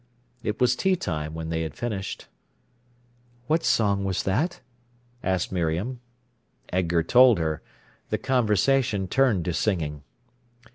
It was tea time when they had finished. "What song was that?" asked Miriam. Edgar told her. The conversation turned to singing.